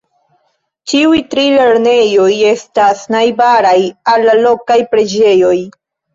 Ĉiuj tri lernejoj estas najbaraj al la lokaj preĝejoj.